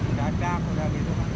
udah ada aku dah gitu